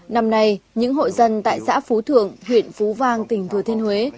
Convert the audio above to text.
năm nay những hội dân tại xã phú thượng huyện phú vang tỉnh thừa thiên huế